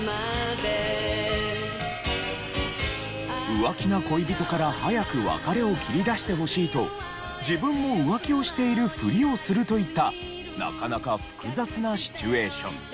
浮気な恋人から早く別れを切りだしてほしいと自分も浮気をしているふりをするといったなかなか複雑なシチュエーション。